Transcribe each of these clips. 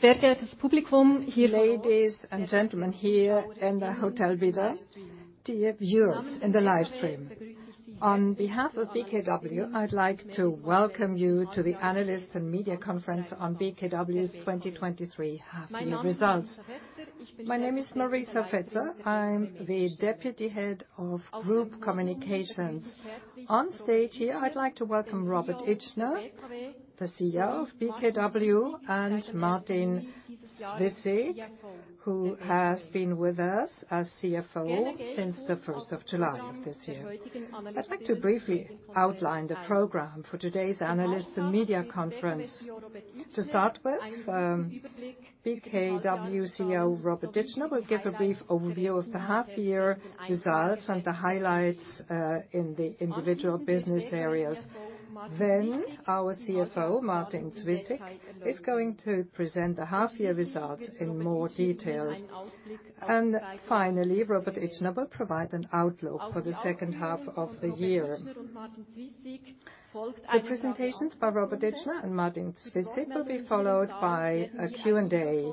Sehr geehrtes Publikum. Ladies and gentlemen here in the Hotel Widder, dear viewers in the live stream. On behalf of BKW, I'd like to welcome you to the Analyst and Media Conference on BKW's 2023 half-year results. My name is Marisa Fetzer. I'm the Deputy Head of Group Communications. On stage here, I'd like to welcome Robert Itschner, the CEO of BKW, and Martin Zwyssig, who has been with us as CFO since the first of July of this year. I'd like to briefly outline the program for today's Analyst and Media Conference. To start with, BKW CEO, Robert Itschner, will give a brief overview of the half-year results and the highlights in the individual business areas. Then our CFO, Martin Zwyssig, is going to present the half-year results in more detail. And finally, Robert Itschner will provide an outlook for the second half of the year. The presentations by Robert Itschner and Martin Zwyssig will be followed by a Q&A,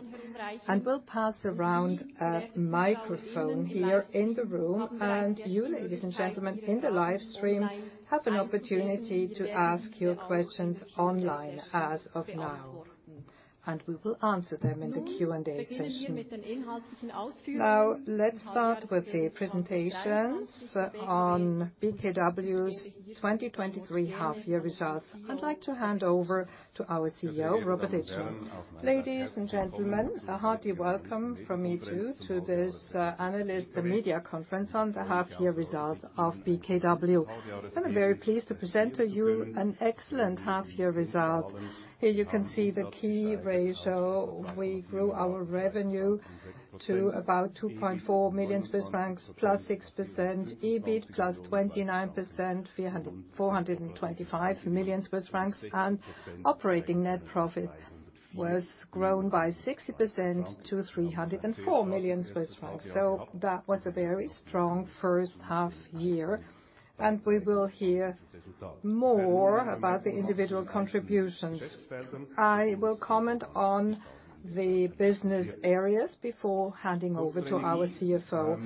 and we'll pass around a microphone here in the room, and you, ladies and gentlemen, in the live stream, have an opportunity to ask your questions online as of now, and we will answer them in the Q&A session. Now, let's start with the presentations on BKW's 2023 half-year results. I'd like to hand over to our CEO, Robert Itschner. Ladies and gentlemen, a hearty welcome from me, too, to this analyst and media conference on the half-year results of BKW. I'm very pleased to present to you an excellent half-year result. Here, you can see the key ratio. We grew our revenue to about 2.4 million Swiss francs, +6%, EBIT +29%, 425 million Swiss francs, and operating net profit was grown by 60% to 304 million Swiss francs. So that was a very strong first half year, and we will hear more about the individual contributions. I will comment on the business areas before handing over to our CFO.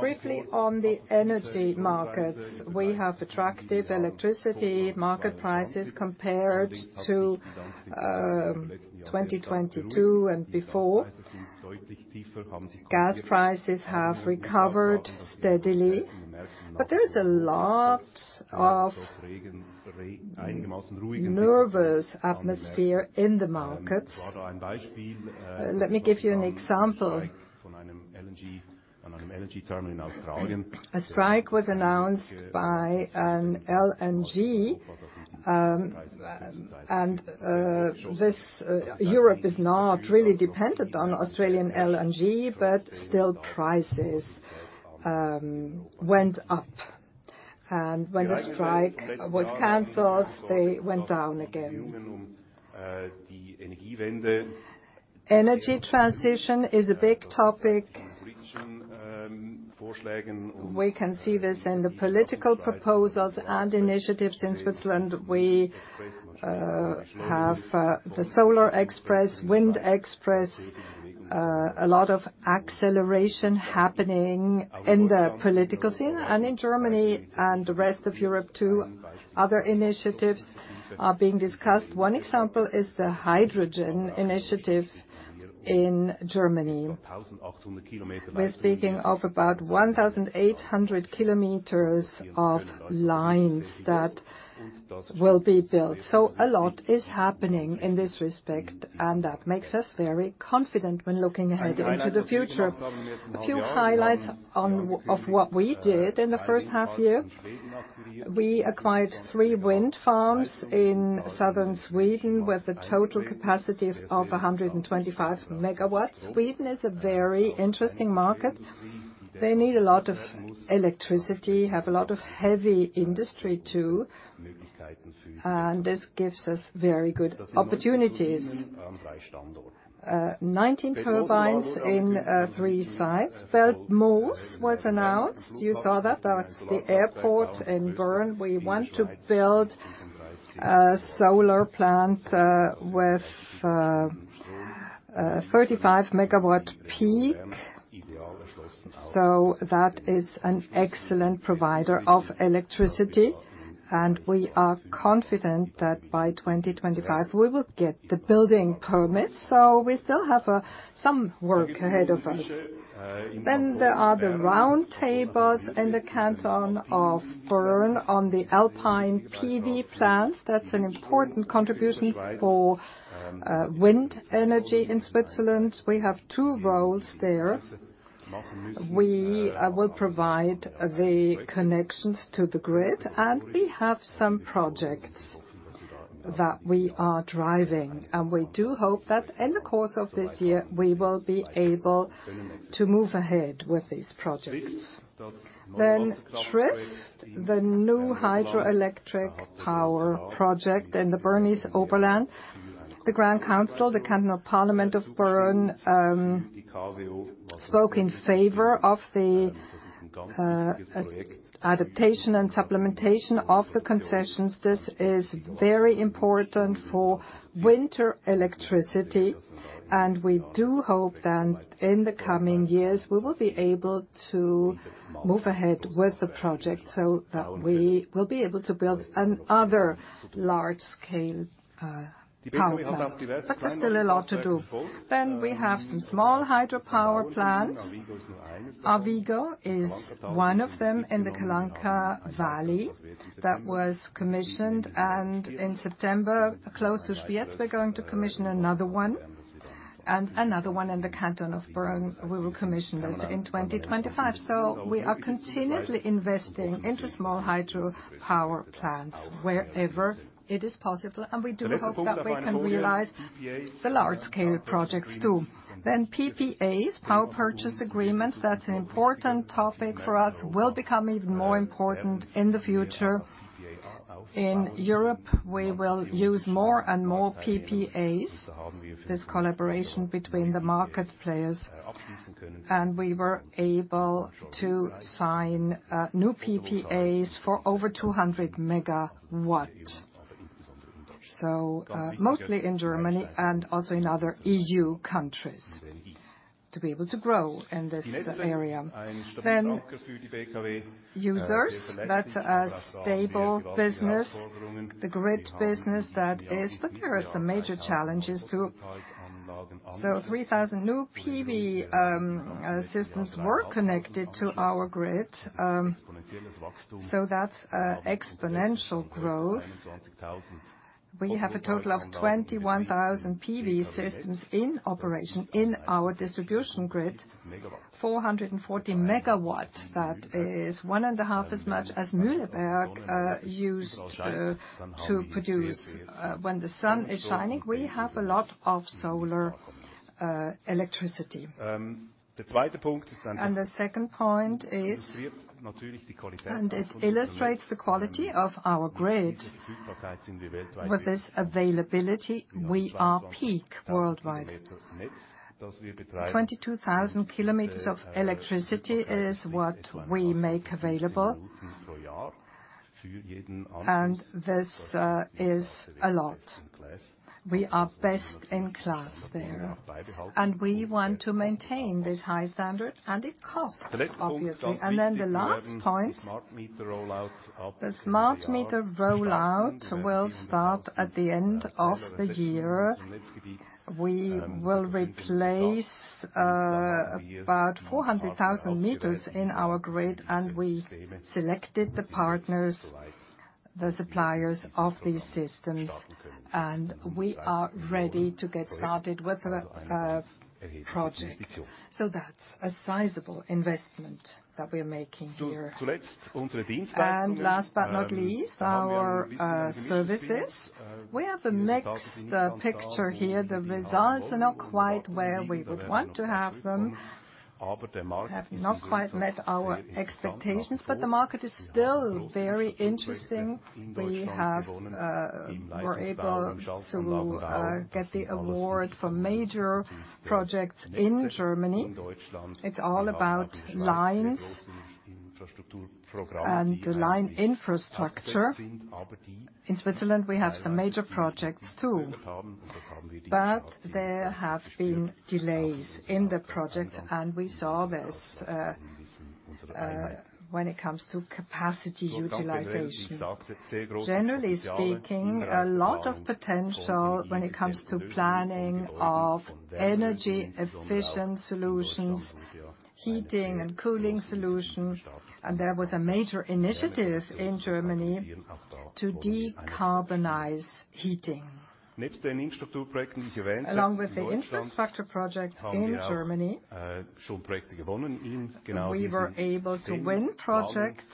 Briefly on the energy markets, we have attractive electricity market prices compared to 2022 and before. Gas prices have recovered steadily, but there is a lot of nervous atmosphere in the markets. Let me give you an example. A strike was announced by an LNG, and this... Europe is not really dependent on Australian LNG, but still prices went up, and when the strike was canceled, they went down again. Energy transition is a big topic. We can see this in the political proposals and initiatives in Switzerland. We have the Solar Express, Wind Express, a lot of acceleration happening in the political scene and in Germany and the rest of Europe, too. Other initiatives are being discussed. One example is the hydrogen initiative in Germany. We're speaking of about 1,800 kilometers of lines that will be built. So a lot is happening in this respect, and that makes us very confident when looking ahead into the future. A few highlights of what we did in the first half year. We acquired three wind farms in southern Sweden, with a total capacity of 125 MW. Sweden is a very interesting market. They need a lot of electricity, have a lot of heavy industry, too, and this gives us very good opportunities. 19 turbines in three sites. BelpmoosSolar was announced. You saw that. That's the airport in Bern. We want to build a solar plant with a 35 MW peak, so that is an excellent provider of electricity, and we are confident that by 2025, we will get the building permit, so we still have some work ahead of us. Then there are the roundtables in the Canton of Bern on the Alpine PV plants. That's an important contribution for wind energy in Switzerland. We have two roles there. We will provide the connections to the grid, and we have some projects that we are driving, and we do hope that in the course of this year, we will be able to move ahead with these projects. Then Trift, the new hydroelectric power project in the Bernese Oberland, the Grand Council, the Cantonal Parliament of Bern, spoke in favor of the adaptation and supplementation of the concessions. This is very important for winter electricity, and we do hope that in the coming years, we will be able to move ahead with the project, so that we will be able to build another large-scale power plant. But there's still a lot to do. Then we have some small hydropower plants. Arvigo is one of them in the Calanca Valley that was commissioned, and in September, close to Spiez, we're going to commission another one, and another one in the canton of Bern, we will commission this in 2025. So we are continuously investing into small hydropower plants wherever it is possible, and we do hope that we can realize the large-scale projects, too. Then PPAs, power purchase agreements, that's an important topic for us, will become even more important in the future. In Europe, we will use more and more PPAs, this collaboration between the market players, and we were able to sign new PPAs for over 200 MW. So, mostly in Germany and also in other EU countries, to be able to grow in this area. Then, users, that's a stable business. The grid business, that is, but there are some major challenges, too. So 3,000 new PV systems were connected to our grid. So that's exponential growth. We have a total of 21,000 PV systems in operation in our distribution grid. 440 MW, that is 1.5 as much as Mühleberg used to produce. When the sun is shining, we have a lot of solar electricity. And the second point is, and it illustrates the quality of our grid. With this availability, we are peak worldwide. 22,000 km of electricity is what we make available, and this is a lot. We are best in class there, and we want to maintain this high standard, and it costs, obviously. And then the last point, the smart meter rollout will start at the end of the year. We will replace about 400,000 meters in our grid, and we selected the partners, the suppliers of these systems, and we are ready to get started with the project. So that's a sizable investment that we're making here. And last but not least, our services. We have a mixed picture here. The results are not quite where we would want to have them, have not quite met our expectations, but the market is still very interesting. We have, we're able to get the award for major projects in Germany. It's all about lines and the line infrastructure. In Switzerland, we have some major projects, too, but there have been delays in the project, and we saw this when it comes to capacity utilization. Generally speaking, a lot of potential when it comes to planning of energy-efficient solutions, heating and cooling solutions, and there was a major initiative in Germany to decarbonize heating. Along with the infrastructure projects in Germany, we were able to win projects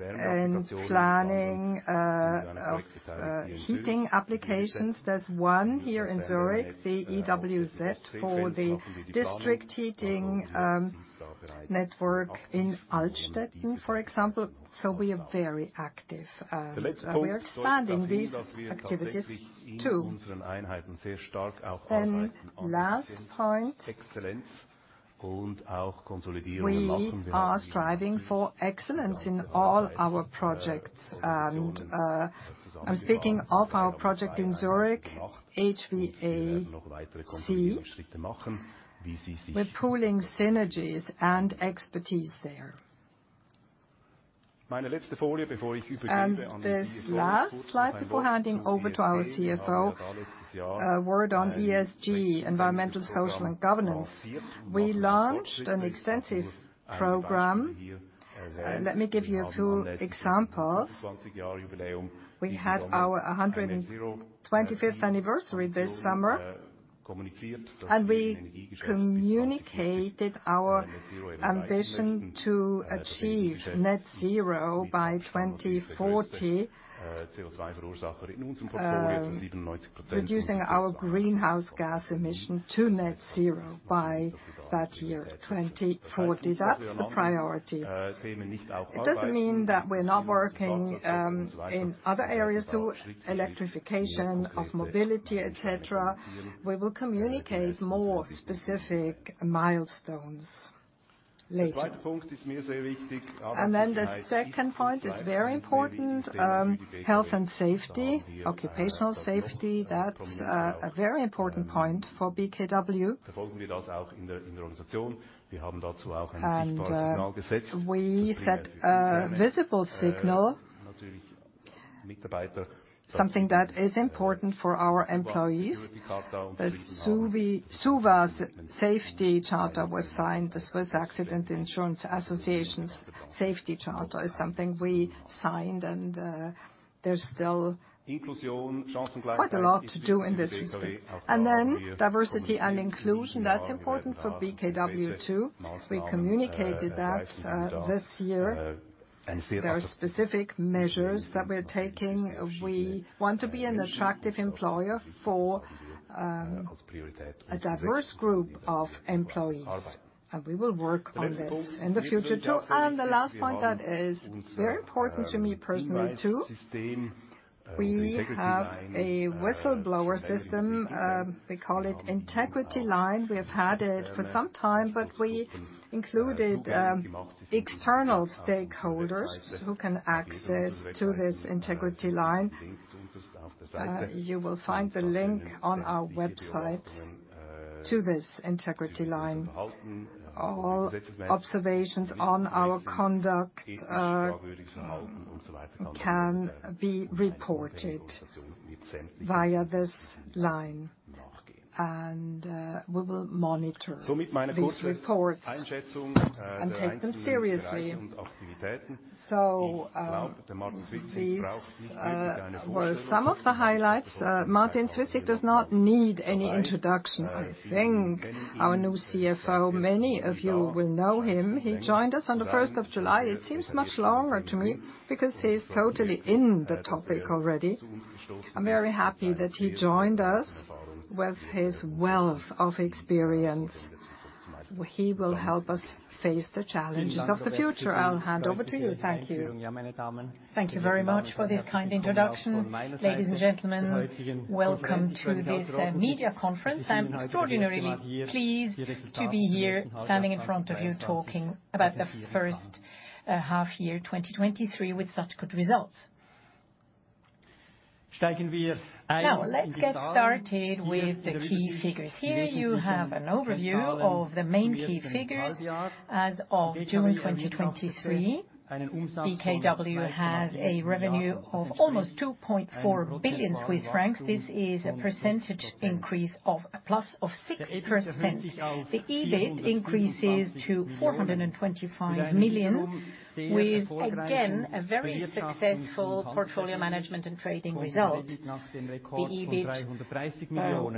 in planning, heating applications. There's one here in Zurich, the ewz, for the district heating network in Altstetten, for example. So we are very active, and we are expanding these activities, too. Then, last point, we are striving for excellence in all our projects. I'm speaking of our project in Zurich, HVAC, we're pooling synergies and expertise there. This last slide before handing over to our CFO, a word on ESG, environmental, social, and governance. We launched an extensive program. Let me give you a few examples. We had our 125th anniversary this summer, and we communicated our ambition to achieve Net Zero by 2040, reducing our greenhouse gas emission to Net Zero by that year, 2040. That's the priority. It doesn't mean that we're not working in other areas, too, electrification of mobility, et cetera. We will communicate more specific milestones. And then the second point is very important, health and safety, occupational safety, that's a very important point for BKW. And we set a visible signal, something that is important for our employees. The Suva's Safety Charter was signed. The Swiss Accident Insurance Association's Safety Charter is something we signed, and there's still quite a lot to do in this respect. And then diversity and inclusion, that's important for BKW, too. We communicated that this year. There are specific measures that we're taking. We want to be an attractive employer for a diverse group of employees, and we will work on this in the future, too. The last point that is very important to me personally, too, we have a whistleblower system we call Integrity Line. We have had it for some time, but we included external stakeholders who can access to this Integrity Line. You will find the link on our website to this Integrity Line. All observations on our conduct can be reported via this line. We will monitor these reports and take them seriously. These were some of the highlights. Martin Zwyssig does not need any introduction. I think. Our new CFO, many of you will know him. He joined us on the first of July. It seems much longer to me because he's totally in the topic already. I'm very happy that he joined us with his wealth of experience. He will help us face the challenges of the future. I'll hand over to you. Thank you. Thank you very much for this kind introduction. Ladies and gentlemen, welcome to this media conference. I'm extraordinarily pleased to be here standing in front of you, talking about the first half year 2023 with such good results. Now, let's get started with the key figures. Here, you have an overview of the main key figures as of June 2023. BKW has a revenue of almost 2.4 billion Swiss francs. This is a 6% increase. The EBIT increases to 425 million, with again, a very successful portfolio management and trading result. The EBIT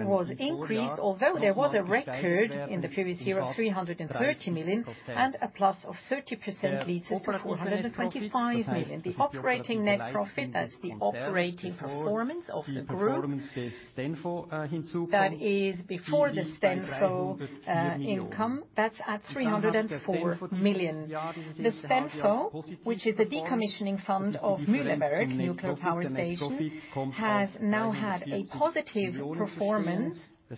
was increased, although there was a record in the previous year of 330 million, and a plus of 30% leads us to 425 million. The operating net profit, that's the operating performance of the group, that is before the STENFO income, that's at 304 million. The STENFO, which is the decommissioning fund of Mühleberg Nuclear Power Station, has now had a positive performance. The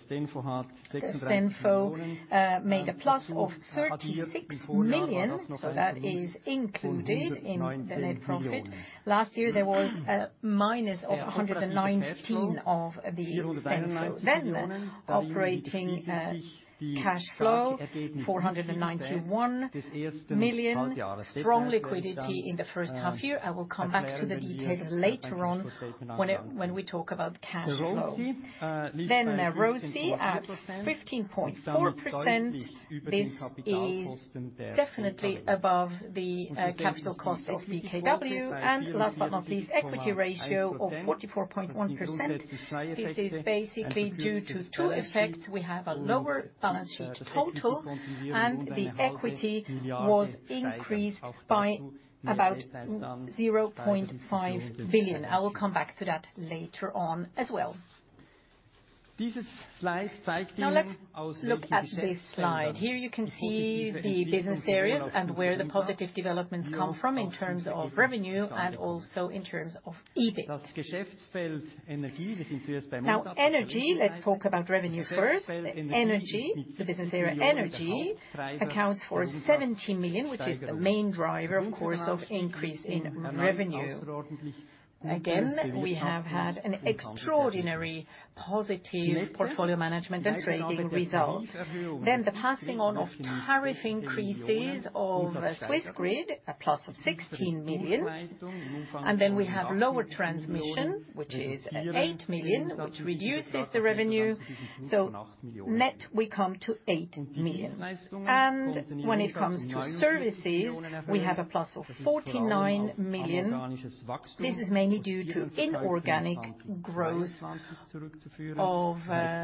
STENFO made a plus of 36 million, so that is included in the net profit. Last year, there was a minus of 119 of the STENFO. Then, operating cash flow, 491 million. Strong liquidity in the first half year. I will come back to the details later on when we talk about the cash flow. Then, ROACE at 15.4%. This is definitely above the capital cost of BKW. And last but not least, equity ratio of 44.1%. This is basically due to two effects. We have a lower balance sheet total, and the equity was increased by about 0.5 billion. I will come back to that later on as well. Now let's look at this slide. Here you can see the business areas and where the positive developments come from in terms of revenue and also in terms of EBIT. Now, energy, let's talk about revenue first. Energy, the business area energy, accounts for 70 million, which is the main driver, of course, of increase in revenue. Again, we have had an extraordinary positive portfolio management and trading result. Then the passing on of tariff increases of Swiss grid, a plus of 16 million. And then we have lower transmission, which is at 8 million, which reduces the revenue. So net, we come to 8 million. And when it comes to services, we have a plus of 49 million. This is mainly due to inorganic growth of the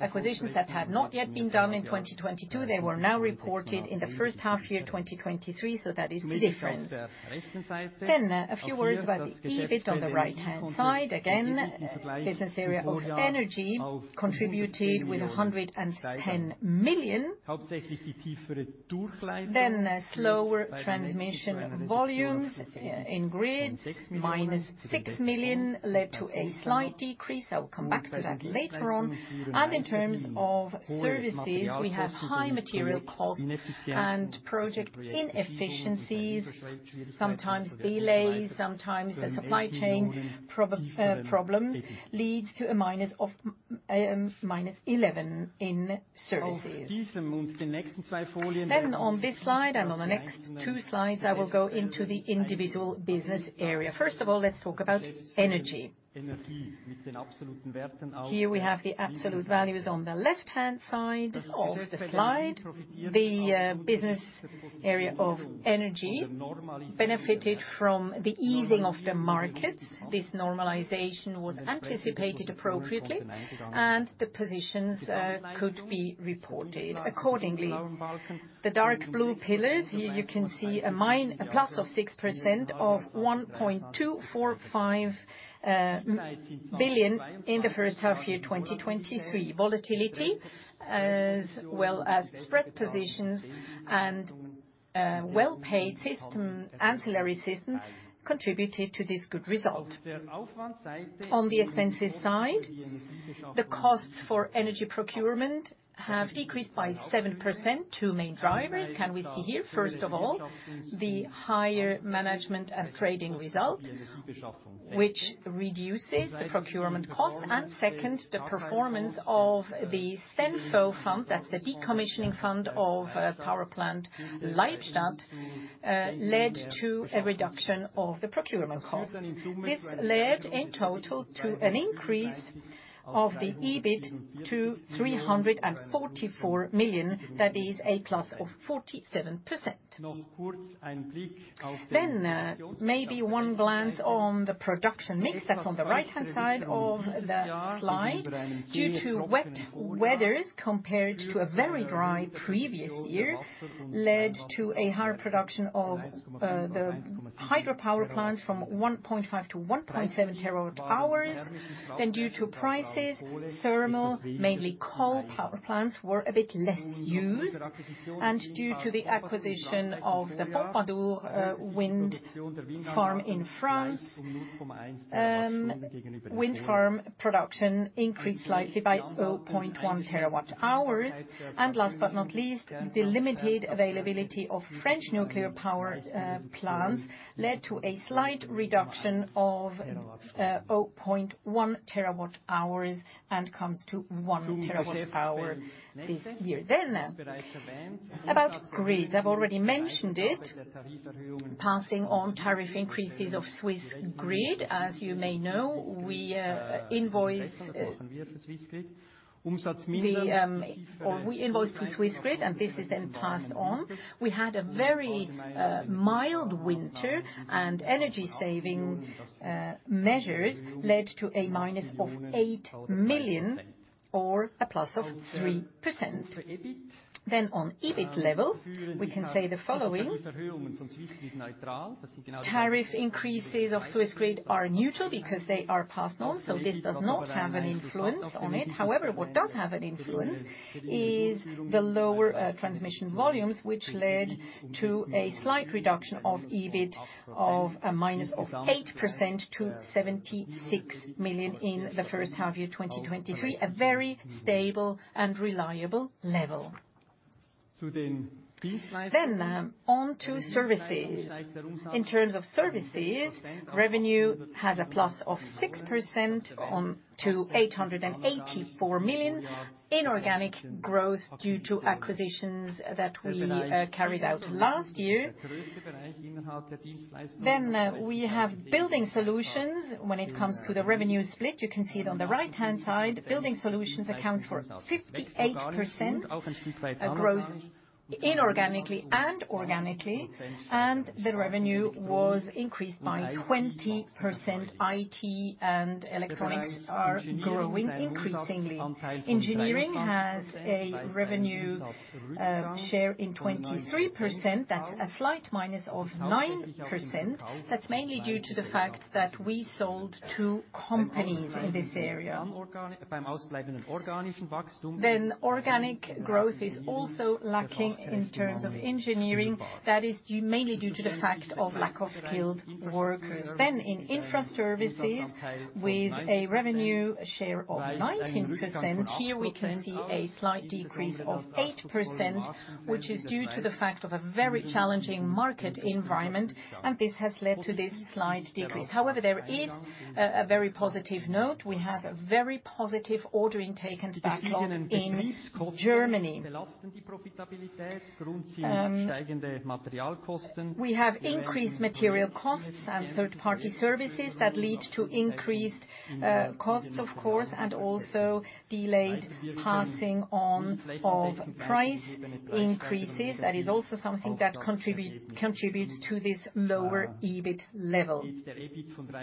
acquisitions that had not yet been done in 2022. They were now reported in the first half year 2023, so that is the difference. A few words about the EBIT on the right-hand side. Again, business area of energy contributed with 110 million. Slower transmission volumes in grids, -6 million, led to a slight decrease. I will come back to that later on. In terms of services, we have high material costs and project inefficiencies, sometimes delays, sometimes the supply chain problem, leads to a minus of -11 million in services. On this slide, and on the next two slides, I will go into the individual business area. First of all, let's talk about energy. Here we have the absolute values on the left-hand side of the slide. The business area of energy benefited from the easing of the markets. This normalization was anticipated appropriately, and the positions could be reported accordingly. The dark blue pillars, here you can see a plus of 6% of 1.245 billion in the first half year, 2023. Volatility, as well as spread positions and well-paid system, ancillary system, contributed to this good result. On the expenses side, the costs for energy procurement have decreased by 7%. Two main drivers can we see here. First of all, the higher management and trading results, which reduces the procurement cost. And second, the performance of the STENFO fund, that's the decommissioning fund of power plant, Leibstadt, led to a reduction of the procurement cost. This led, in total, to an increase of the EBIT to 344 million, that is a plus of 47%. Then, maybe one glance on the production mix, that's on the right-hand side of the slide. Due to wet weathers, compared to a very dry previous year, led to a higher production of the hydropower plants from 1.5-1.7 terawatt hours. Then, due to prices, thermal, mainly coal power plants, were a bit less used, and due to the acquisition of the Fombanou wind farm in France, wind farm production increased slightly by 0.1 terawatt hours. And last but not least, the limited availability of French nuclear power plants led to a slight reduction of 0.1 terawatt hours, and comes to 1 terawatt hour this year. Then, about grids. I've already mentioned it, passing on tariff increases of Swissgrid. As you may know, we invoice to Swissgrid, and this is then passed on. We had a very mild winter, and energy saving measures led to a minus of 8 million or a plus of 3%. Then on EBIT level, we can say the following: tariff increases of Swissgrid are neutral because they are passed on, so this does not have an influence on it. However, what does have an influence is the lower transmission volumes, which led to a slight reduction of EBIT of a minus of 8% to 76 million in the first half year, 2023. A very stable and reliable level. Then, on to Services. In terms of Services, revenue has a plus of 6% to 884 million, inorganic growth due to acquisitions that we carried out last year. Then, we have Building Solutions. When it comes to the revenue split, you can see it on the right-hand side. Building Solutions accounts for 58%, a growth inorganically and organically, and the revenue was increased by 20%. IT and electronics are growing increasingly. Engineering has a revenue share in 23%. That's a slight minus of 9%. That's mainly due to the fact that we sold two companies in this area. Then, organic growth is also lacking in terms of engineering. That is mainly due to the fact of lack of skilled workers. Then, in Infra Services, with a revenue share of 19%, here we can see a slight decrease of 8%, which is due to the fact of a very challenging market environment, and this has led to this slight decrease. However, there is a very positive note. We have a very positive ordering intake and backlog in Germany. We have increased material costs and third-party services that lead to increased costs, of course, and also delayed passing on of price increases. That is also something that contributes to this lower EBIT level.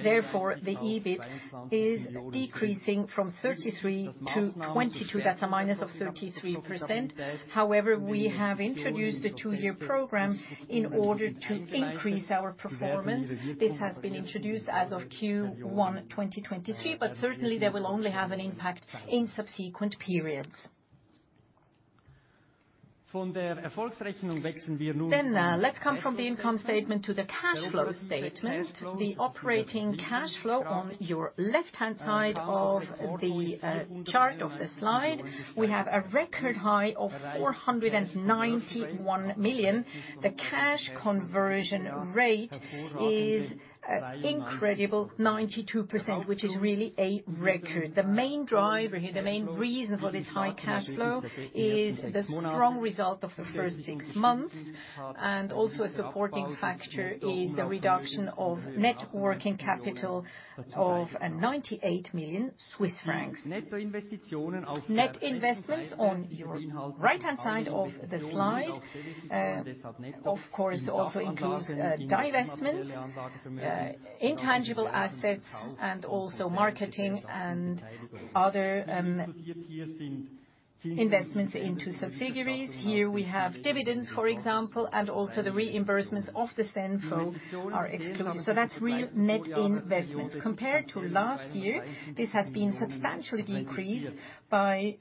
Therefore, the EBIT is decreasing from 33 to 22. That's a minus of 33%. However, we have introduced a two-year program in order to increase our performance. This has been introduced as of Q1 2023, but certainly that will only have an impact in subsequent periods. Let's come from the income statement to the cash flow statement. The operating cash flow on your left-hand side of the chart of the slide, we have a record high of 491 million. The cash conversion rate is incredible, 92%, which is really a record. The main driver here, the main reason for this high cash flow, is the strong result of the first six months, and also a supporting factor is the reduction of net working capital of 98 million Swiss francs. Net investments on your right-hand side of the slide, of course, also includes debt investments, intangible assets, and also marketing and other investments into subsidiaries. Here we have dividends, for example, and also the reimbursements of the STENFO are excluded, so that's real net investment. Compared to last year, this has been substantially decreased by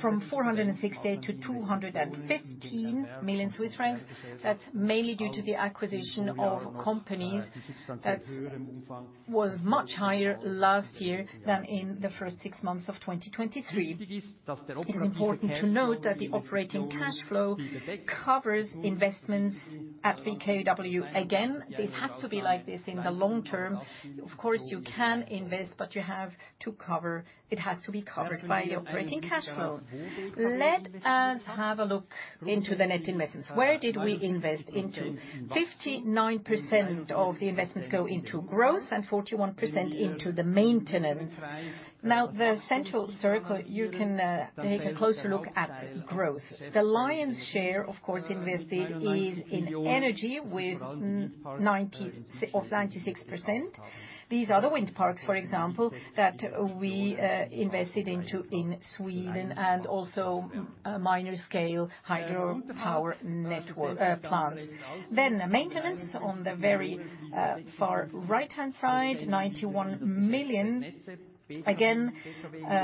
from 468 million-215 million Swiss francs. That's mainly due to the acquisition of companies that was much higher last year than in the first six months of 2023. It is important to note that the operating cash flow covers investments at BKW. Again, this has to be like this in the long term. Of course, you can invest, but you have to cover it. It has to be covered by the operating cash flows. Let us have a look into the net investments. Where did we invest into? 59% of the investments go into growth and 41% into the maintenance. Now, the central circle, you can take a closer look at growth. The lion's share, of course, invested is in energy with 96% of 96%. These are the wind parks, for example, that we invested into in Sweden and also a minor scale hydropower network plants. Then maintenance on the very far right-hand side, 91 million. Again,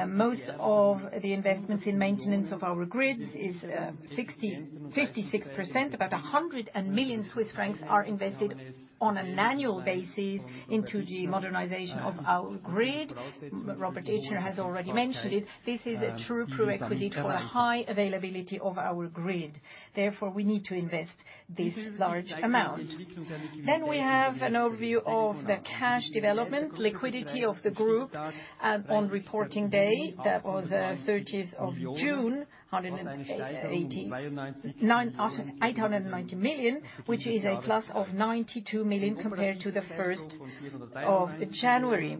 most of the investments in maintenance of our grids is 56%. About 100 million Swiss francs are invested on an annual basis into the modernization of our grid. Robert Itschner has already mentioned it. This is a true prerequisite for a high availability of our grid, therefore, we need to invest this large amount. Then we have an overview of the cash development, liquidity of the group, and on reporting day, that was 30th of June, 890 million, which is a plus of 92 million compared to the first of January.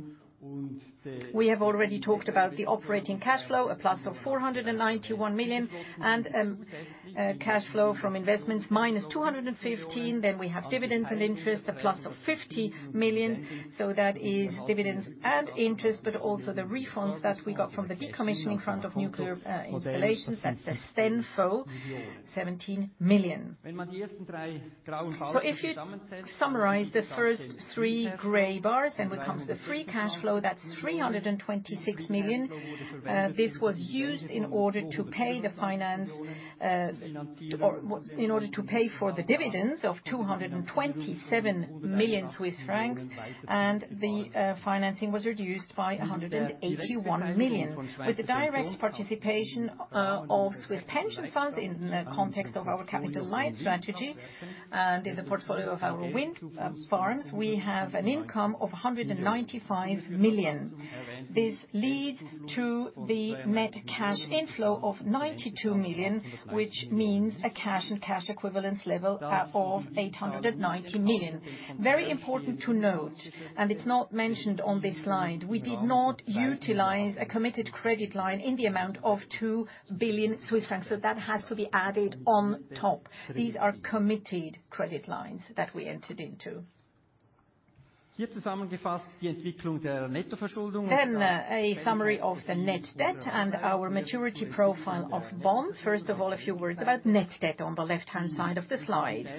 We have already talked about the operating cash flow, a plus of 491 million, and cash flow from investments minus 215 million. Then we have dividends and interest, a plus of 50 million, so that is dividends and interest, but also the refunds that we got from the decommissioning fund of nuclear installations, that's the STENFO, 17 million. So if you summarize the first three gray bars, then when it comes to the free cash flow, that's 326 million. This was used in order to pay the finance in order to pay for the dividends of 227 million Swiss francs, and the financing was reduced by 181 million. With the direct participation of Swiss pension funds in the context of our capital-light strategy, and in the portfolio of our wind farms, we have an income of 195 million. This leads to the net cash inflow of 92 million, which means a cash and cash equivalence level of 890 million. Very important to note, and it's not mentioned on this slide, we did not utilize a committed credit line in the amount of 2 billion Swiss francs, so that has to be added on top. These are committed credit lines that we entered into. Then, a summary of the net debt and our maturity profile of bonds. First of all, a few words about net debt on the left-hand side of the slide.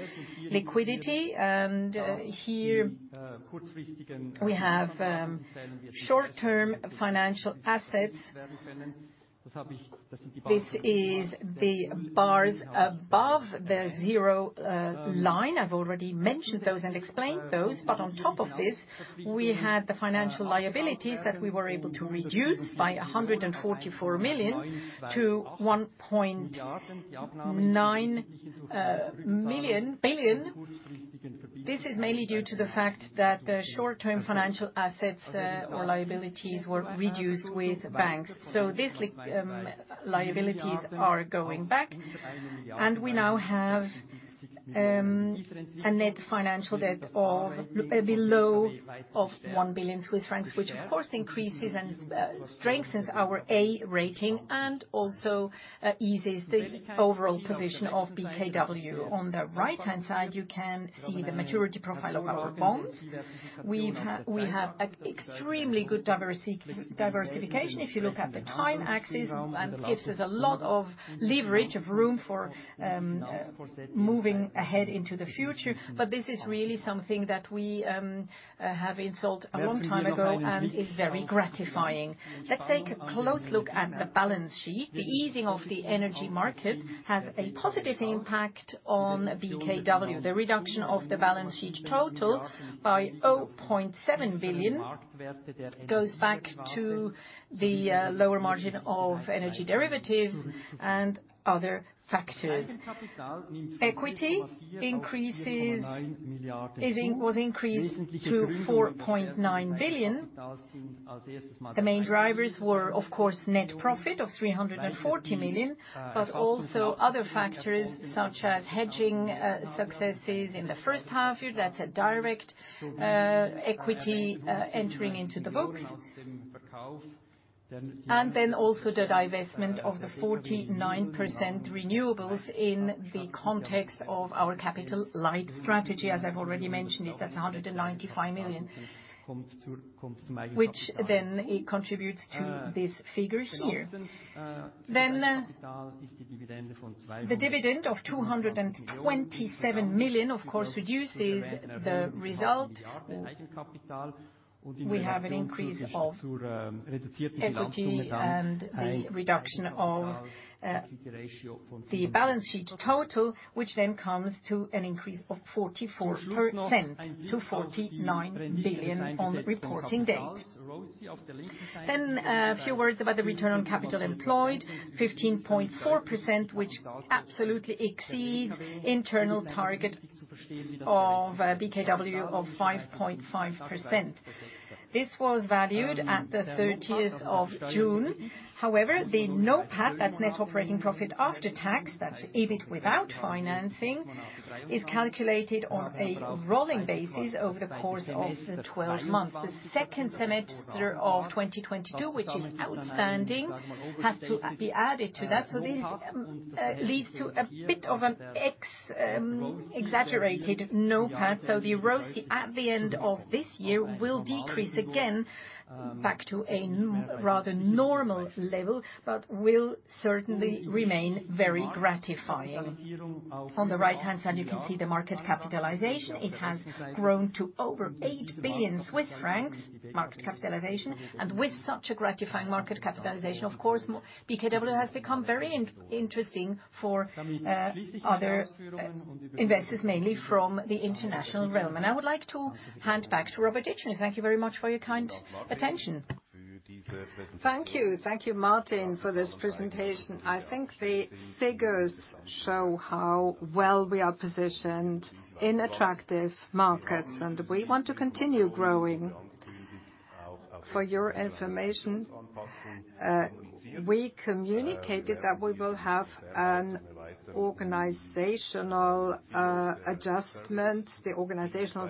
Liquidity, and here we have short-term financial assets. This is the bars above the zero line. I've already mentioned those and explained those, but on top of this, we had the financial liabilities that we were able to reduce by 144 million-1.9 billion. This is mainly due to the fact that the short-term financial assets or liabilities were reduced with banks. So these liabilities are going back, and we now have a net financial debt of below 1 billion Swiss francs, which, of course, increases and strengthens our A rating, and also eases the overall position of BKW. On the right-hand side, you can see the maturity profile of our bonds. We have an extremely good diversification. If you look at the time axis, and gives us a lot of leverage, of room for moving ahead into the future. But this is really something that we have installed a long time ago and is very gratifying. Let's take a close look at the balance sheet. The easing of the energy market has a positive impact on BKW. The reduction of the balance sheet total by 0.7 billion goes back to the lower margin of energy derivatives and other factors. Equity was increased to 4.9 billion. The main drivers were, of course, net profit of 340 million, but also other factors, such as hedging successes in the first half year. That's a direct equity entering into the books. Then also the divestment of the 49% renewables in the context of our capital light strategy, as I've already mentioned it, that's 195 million, which then it contributes to these figures here. Then, the dividend of 227 million, of course, reduces the result. We have an increase of equity and a reduction of the balance sheet total, which then comes to an increase of 44%, to 49 billion on reporting date. Then, a few words about the return on capital employed, 15.4%, which absolutely exceeds internal target of BKW of 5.5%. This was valued at the thirtieth of June. However, the NOPAT, that's net operating profit after tax, that's EBIT without financing, is calculated on a rolling basis over the course of the twelve months. The second semester of 2022, which is outstanding, has to be added to that. So this leads to a bit of an exaggerated NOPAT, so the ROACE at the end of this year will decrease again back to a new, rather normal level, but will certainly remain very gratifying. On the right-hand side, you can see the market capitalization. It has grown to over 8 billion Swiss francs, market capitalization, and with such a gratifying market capitalization, of course, BKW has become very interesting for other investors, mainly from the international realm. And I would like to hand back to Robert Itschner. Thank you very much for your kind attention. Thank you. Thank you, Martin, for this presentation. I think the figures show how well we are positioned in attractive markets, and we want to continue growing. For your information, we communicated that we will have an organizational adjustment. The organizational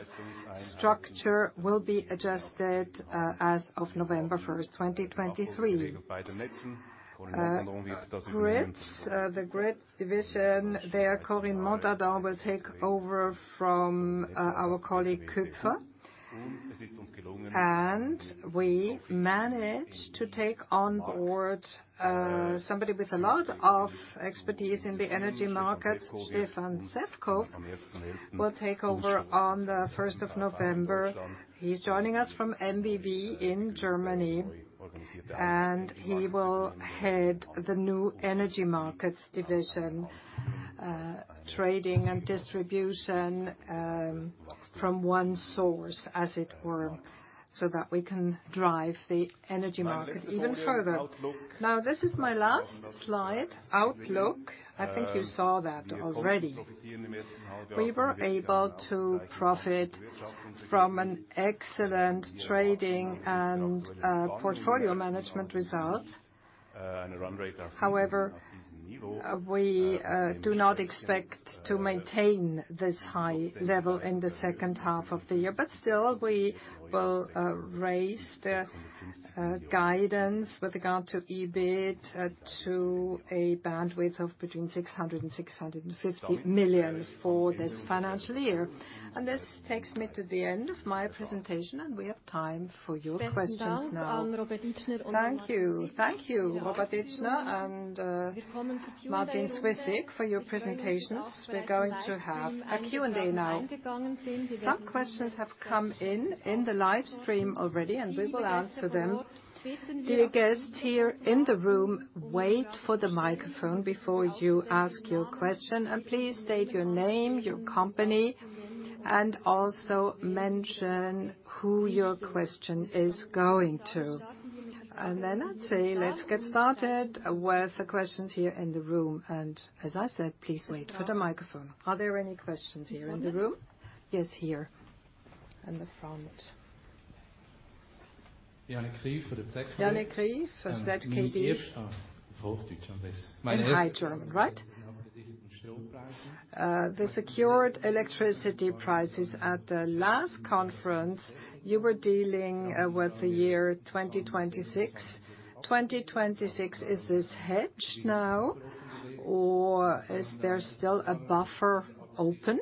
structure will be adjusted as of November 1, 2023. Grids, the grid division, there, Corinne Montadon will take over from our colleague, Küpfer. And we managed to take on board somebody with a lot of expertise in the energy markets. Stefan Suter will take over on November 1. He's joining us from EnBW in Germany, and he will head the new energy markets division, trading and distribution, from one source, as it were, so that we can drive the energy market even further. Now, this is my last slide, outlook. I think you saw that already. We were able to profit from an excellent trading and portfolio management result. However, we do not expect to maintain this high level in the second half of the year, but still, we will raise the guidance with regard to EBIT to a bandwidth of between 600 million and 650 million for this financial year. This takes me to the end of my presentation, and we have time for your questions now. Thank you. Thank you, Robert Itschner and Martin Zwyssig, for your presentations. We're going to have a Q&A now. Some questions have come in in the live stream already, and we will answer them. Dear guests here in the room, wait for the microphone before you ask your question, and please state your name, your company, and also mention who your question is going to. Then I'd say, let's get started with the questions here in the room. And as I said, please wait for the microphone. Are there any questions here in the room? Yes, here in the front. Yannick Krief of ZKB—Yannick Krief, that can be—in high German, right? The secured electricity prices at the last conference, you were dealing with the year 2026. 2026, is this hedged now, or is there still a buffer open?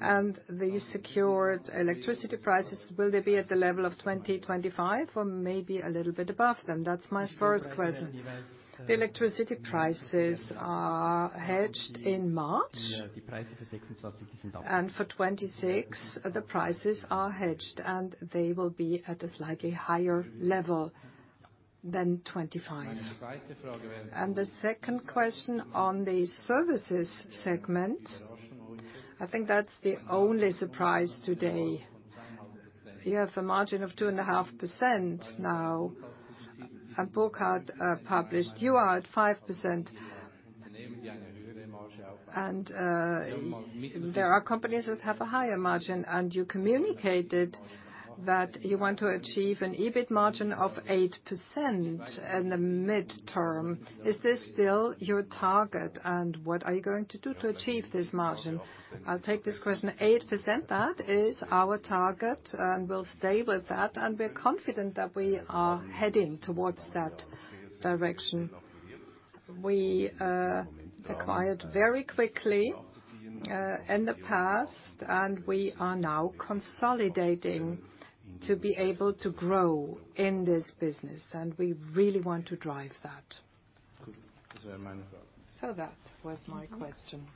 And the secured electricity prices, will they be at the level of 2025 or maybe a little bit above them? That's my first question. The electricity prices are hedged in March, and for 2026, the prices are hedged, and they will be at a slightly higher level than 25. And the second question on the services segment, I think that's the only surprise today. You have a margin of 2.5% now, and Burkhalter], published you are at 5%. And, there are companies that have a higher margin, and you communicated that you want to achieve an EBIT margin of 8% in the midterm. Is this still your target, and what are you going to do to achieve this margin? I'll take this question. 8%, that is our target, and we'll stay with that, and we're confident that we are heading towards that direction... We acquired very quickly, in the past, and we are now consolidating to be able to grow in this business, and we really want to drive that. So that was my question.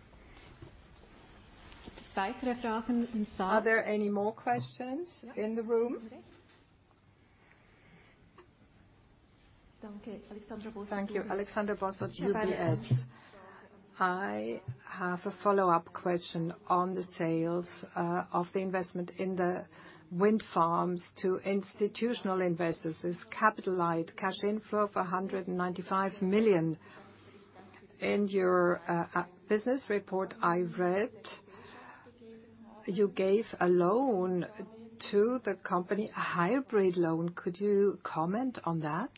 Are there any more questions in the room? Thank you. Alexandra Bosshard, UBS. I have a follow-up question on the sales of the investment in the wind farms to institutional investors. This capitalized cash inflow of 195 million. In your business report, I read you gave a loan to the company, a hybrid loan. Could you comment on that?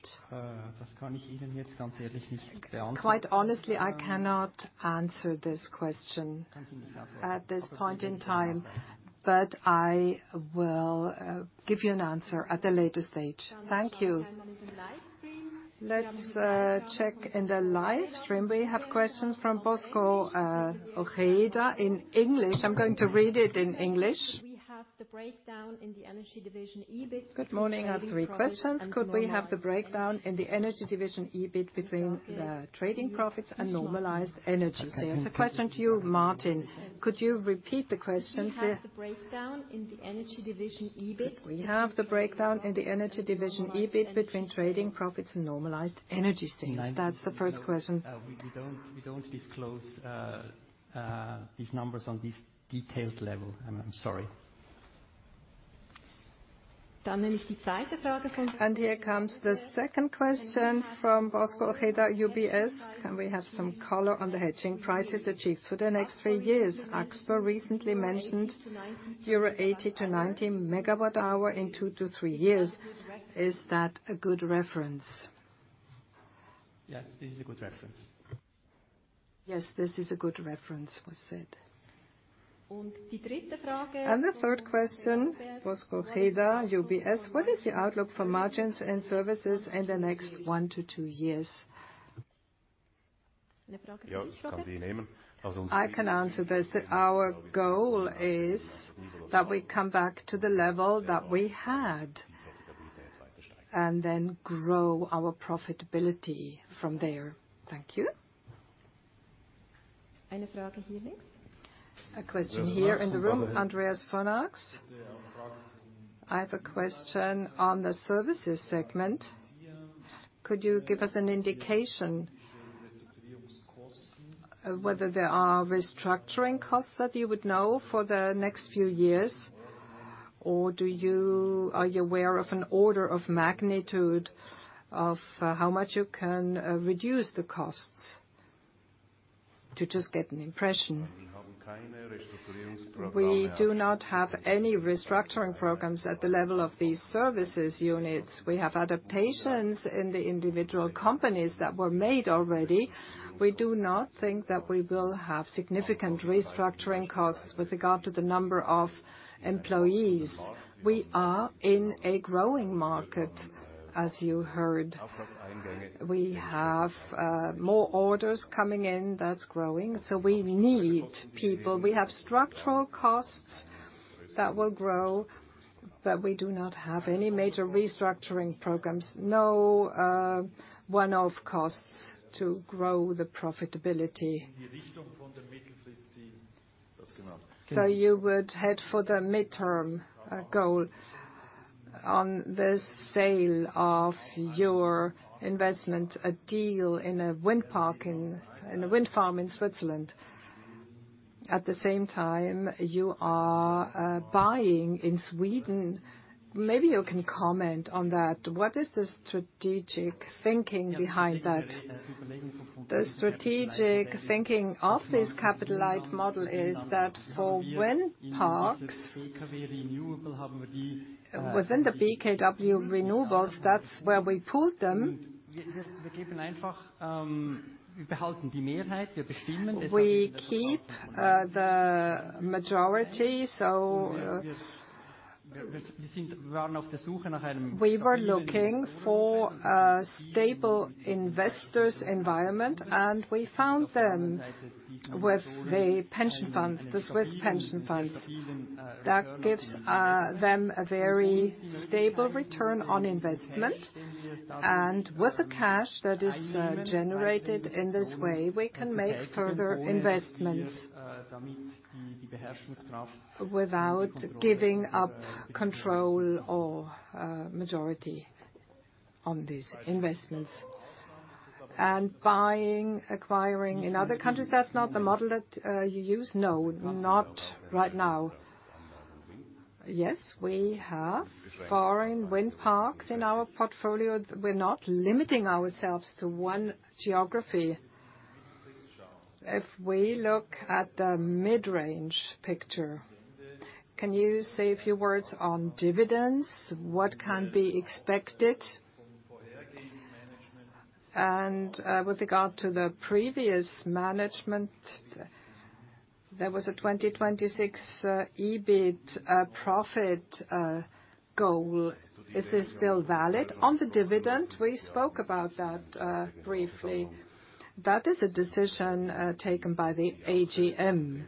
Quite honestly, I cannot answer this question at this point in time, but I will give you an answer at a later stage. Thank you. Let's check in the live stream. We have questions from Bosco Ojeda, in English. I'm going to read it in English. We have the breakdown in the energy division, EBIT- Good morning. I have three questions. Could we have the breakdown in the energy division, EBIT, between the trading profits and normalized energy sales? A question to you, Martin. Could you repeat the question, please? Could we have the breakdown in the energy division, EBIT, between trading profits and normalized energy sales? That's the first question. We don't disclose these numbers on this detailed level. I'm sorry. Here comes the second question from Bosco Ojeda, UBS. Can we have some color on the hedging prices achieved for the next three years? Axpo recently mentioned 80-90/MWh in 2-3 years. Is that a good reference? Yes, this is a good reference. Yes, this is a good reference, was said. The third question, Bosco Ojeda, UBS: What is the outlook for margins and services in the next 1-2 years? I can answer this. Our goal is that we come back to the level that we had, and then grow our profitability from there. Thank you. A question here in the room. Andreas von Arx. I have a question on the services segment. Could you give us an indication whether there are restructuring costs that you would know for the next few years? Or are you aware of an order of magnitude of how much you can reduce the costs? To just get an impression. We do not have any restructuring programs at the level of these services units. We have adaptations in the individual companies that were made already. We do not think that we will have significant restructuring costs with regard to the number of employees. We are in a growing market, as you heard. We have more orders coming in, that's growing, so we need people. We have structural costs that will grow, but we do not have any major restructuring programs, no one-off costs to grow the profitability. So you would head for the midterm goal on the sale of your investment, a deal in a wind park in a wind farm in Switzerland. At the same time, you are buying in Sweden. Maybe you can comment on that. What is the strategic thinking behind that? The strategic thinking of this capitalized model is that for wind parks, within the BKW Renewables, that's where we pooled them. We keep the majority, so... We were looking for a stable investors environment, and we found them with the pension funds, the Swiss pension funds. That gives them a very stable return on investment, and with the cash that is generated in this way, we can make further investments without giving up control or majority on these investments. And buying, acquiring in other countries, that's not the model that you use? No, not right now. Yes, we have foreign wind parks in our portfolio. We're not limiting ourselves to one geography. If we look at the mid-range picture, can you say a few words on dividends? What can be expected? And with regard to the previous management-... There was a 2026, EBIT, profit, goal. Is this still valid? On the dividend, we spoke about that briefly. That is a decision taken by the AGM.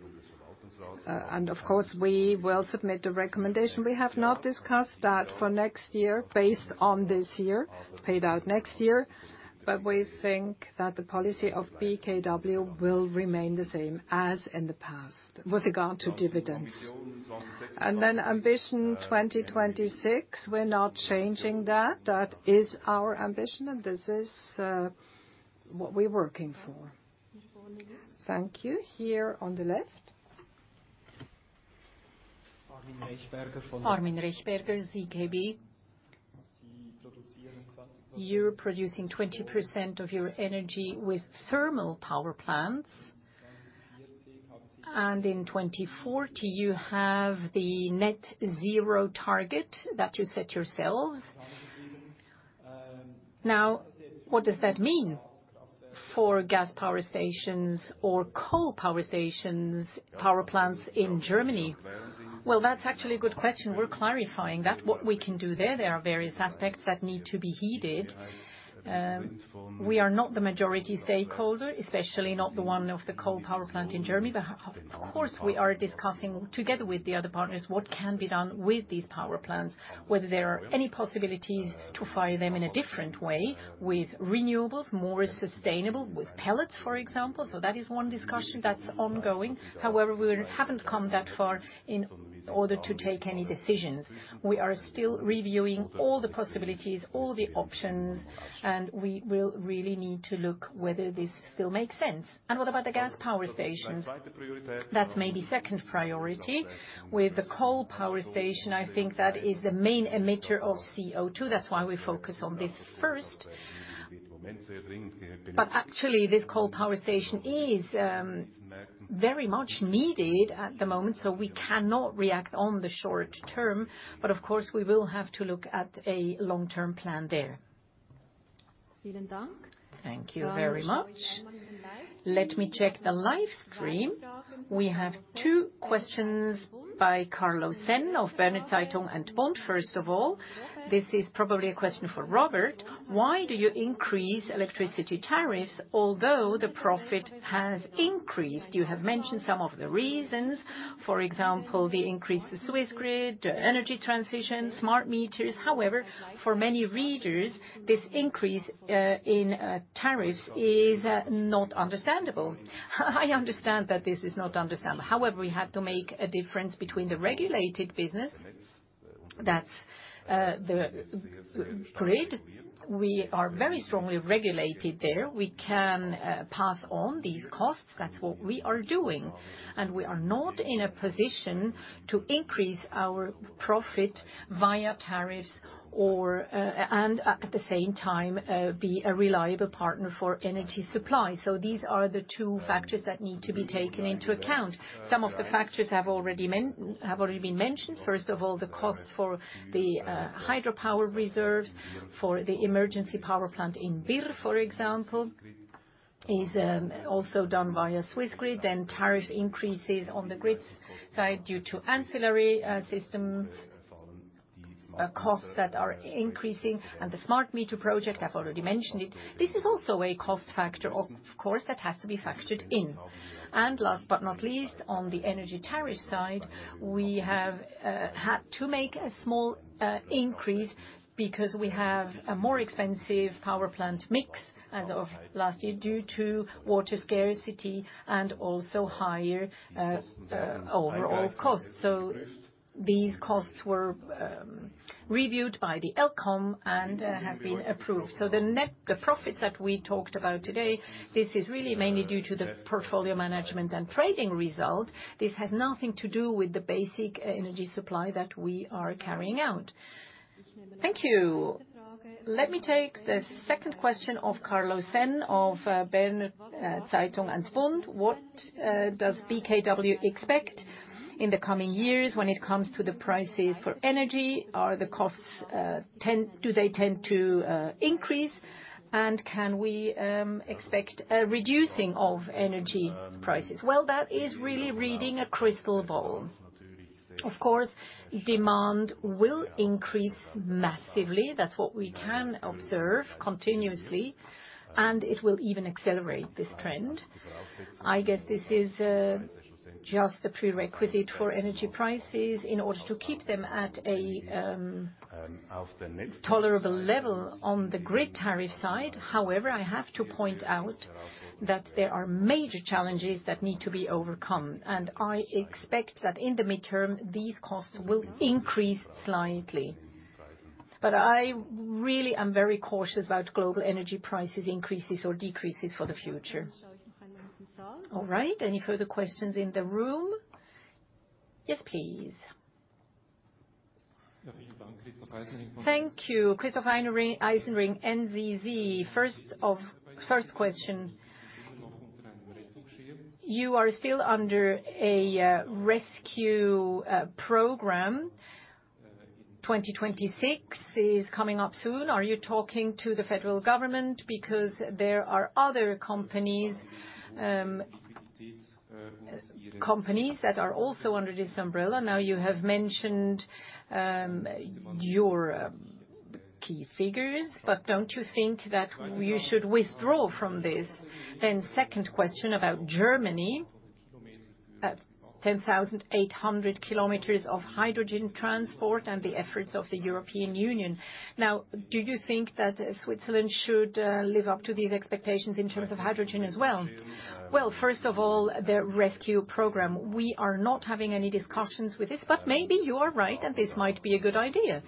And of course, we will submit the recommendation. We have not discussed that for next year based on this year, paid out next year, but we think that the policy of BKW will remain the same as in the past with regard to dividends. And then ambition 2026, we're not changing that. That is our ambition, and this is what we're working for. Thank you. Here on the left. Armin Rechberger, ZKB. You're producing 20% of your energy with thermal power plants, and in 2040, you have the Net Zero target that you set yourselves. Now, what does that mean for gas power stations or coal power stations, power plants in Germany? Well, that's actually a good question. We're clarifying that, what we can do there. There are various aspects that need to be heeded. We are not the majority stakeholder, especially not the one of the coal power plant in Germany. But of course, we are discussing together with the other partners, what can be done with these power plants, whether there are any possibilities to fire them in a different way, with renewables, more sustainable, with pellets, for example. So that is one discussion that's ongoing. However, we haven't come that far in order to take any decisions. We are still reviewing all the possibilities, all the options, and we will really need to look whether this still makes sense. What about the gas power stations? That's maybe second priority. With the coal power station, I think that is the main emitter of CO2. That's why we focus on this first. But actually, this coal power station is very much needed at the moment, so we cannot react on the short term. But of course, we will have to look at a long-term plan there. Thank you very much. Let me check the live stream. We have two questions by Carlo Senn of Berner Zeitung and Bund. First of all, this is probably a question for Robert: Why do you increase electricity tariffs although the profit has increased? You have mentioned some of the reasons, for example, the increase to Swissgrid, the energy transition, smart meters. However, for many readers, this increase in tariffs is not understandable. I understand that this is not understandable. However, we have to make a difference between the regulated business, that's the grid. We are very strongly regulated there. We can pass on these costs. That's what we are doing, and we are not in a position to increase our profit via tariffs or, at the same time, be a reliable partner for energy supply. So these are the two factors that need to be taken into account. Some of the factors have already been mentioned. First of all, the cost for the hydropower reserves, for the emergency power plant in Birr, for example, is also done via Swiss grid, then tariff increases on the grid's side due to ancillary systems costs that are increasing, and the smart meter project, I've already mentioned it. This is also a cost factor, of course, that has to be factored in. And last but not least, on the energy tariff side, we have had to make a small increase because we have a more expensive power plant mix as of last year due to water scarcity and also higher overall costs. So these costs were reviewed by the ElCom and have been approved. So the net, the profits that we talked about today, this is really mainly due to the portfolio management and trading result. This has nothing to do with the basic energy supply that we are carrying out. Thank you. Let me take the second question of Carlo Senn of Berner Zeitung and Bund. What does BKW expect in the coming years when it comes to the prices for energy? Are the costs tend... Do they tend to increase, and can we expect a reducing of energy prices? Well, that is really reading a crystal ball. Of course, demand will increase massively. That's what we can observe continuously, and it will even accelerate this trend. I guess this is just a prerequisite for energy prices in order to keep them at a tolerable level on the grid tariff side. However, I have to point out that there are major challenges that need to be overcome, and I expect that in the midterm, these costs will increase slightly. But I really am very cautious about global energy prices increases or decreases for the future. All right, any further questions in the room? Yes, please. Thank you. Christoph Eisenring, NZZ. First question: You are still under a rescue program. 2026 is coming up soon. Are you talking to the federal government? Because there are other companies, companies that are also under this umbrella. Now, you have mentioned your key figures, but don't you think that you should withdraw from this? Then second question about Germany. At 10,800 kilometers of hydrogen transport and the efforts of the European Union. Now, do you think that Switzerland should live up to these expectations in terms of hydrogen as well? Well, first of all, the rescue program. We are not having any discussions with this, but maybe you are right, and this might be a good idea.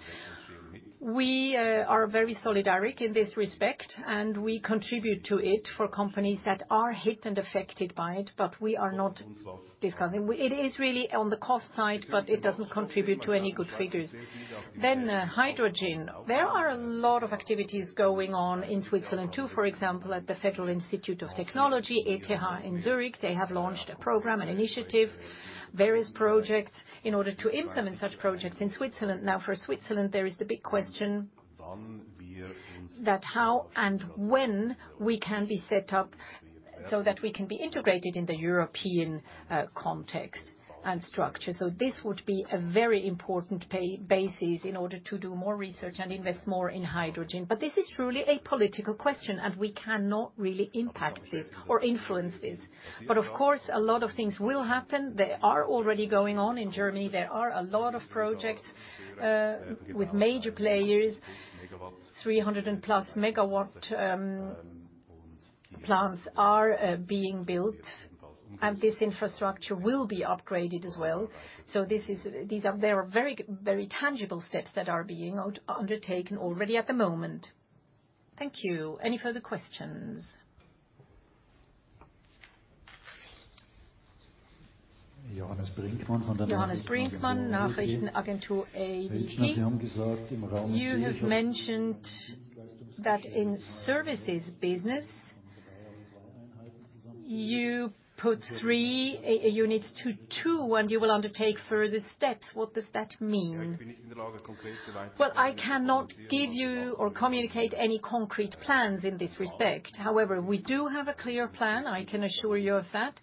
We are very solidaric in this respect, and we contribute to it for companies that are hit and affected by it, but we are not discussing. It is really on the cost side, but it doesn't contribute to any good figures. Then, hydrogen. There are a lot of activities going on in Switzerland, too, for example, at the Federal Institute of Technology, ETH, in Zurich. They have launched a program, an initiative, various projects in order to implement such projects in Switzerland. Now, for Switzerland, there is the big question that how and when we can be set up so that we can be integrated in the European, context and structure. So this would be a very important basis in order to do more research and invest more in hydrogen. But this is truly a political question, and we cannot really impact this or influence this. But of course, a lot of things will happen. They are already going on in Germany. There are a lot of projects with major players. 300+ MW plants are being built, and this infrastructure will be upgraded as well. So these are very, very tangible steps that are being undertaken already at the moment. Thank you. Any further questions? Johannes Brinkmann from [Finanznachrichten AG]. You have mentioned that in services business, you put three units to two, and you will undertake further steps. What does that mean? Well, I cannot give you or communicate any concrete plans in this respect. However, we do have a clear plan, I can assure you of that.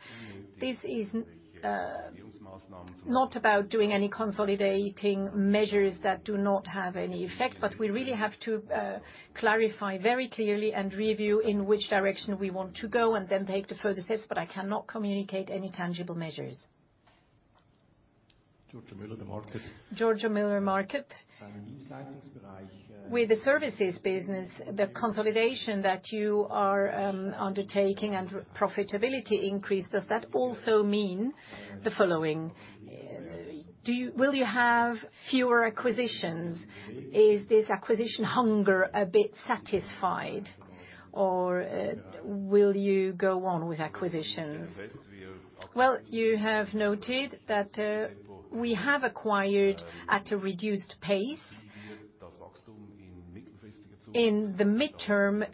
This is not about doing any consolidating measures that do not have any effect, but we really have to clarify very clearly and review in which direction we want to go, and then take the further steps, but I cannot communicate any tangible measures. Giorgio Müller, The Market. With the services business, the consolidation that you are undertaking and profitability increase, does that also mean the following: Will you have fewer acquisitions? Is this acquisition hunger a bit satisfied, or will you go on with acquisitions? Well, you have noted that we have acquired at a reduced pace. In the midterm,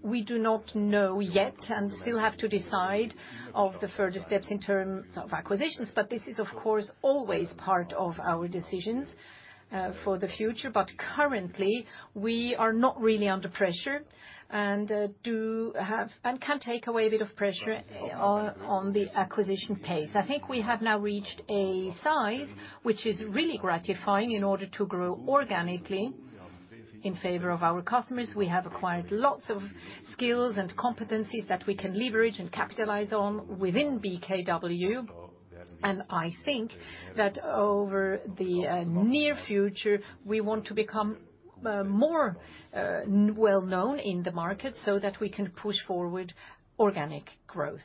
we do not know yet and still have to decide of the further steps in terms of acquisitions, but this is, of course, always part of our decisions for the future. But currently, we are not really under pressure, and do have and can take away a bit of pressure on the acquisition pace. I think we have now reached a size which is really gratifying in order to grow organically in favor of our customers. We have acquired lots of skills and competencies that we can leverage and capitalize on within BKW. And I think that over the near future, we want to become more well-known in the market so that we can push forward organic growth.